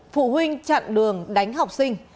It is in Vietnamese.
phụ huynh chặn đường đánh học sinh